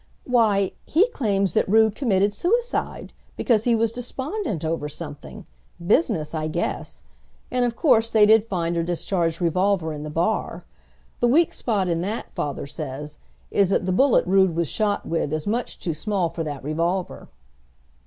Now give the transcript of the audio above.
"Why, he claims that Rood committed suicide, because he was despondent over something business I guess; and of course they did find a discharged revolver in the bar. The weak spot in that, father says, is that the bullet Rood was shot with is much too small for that revolver."